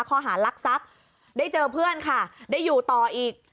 ข้อหารักทรัพย์ได้เจอเพื่อนค่ะได้อยู่ต่ออีก